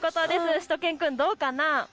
しゅと犬くん、どうかな。